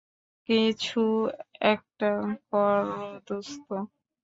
কিছু একটা কর, দোস্ত!